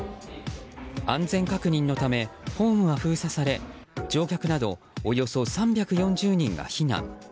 安全確認のためホームは封鎖され乗客など、およそ３４０人が避難。